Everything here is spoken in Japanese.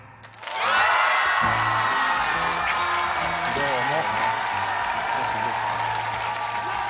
どうも。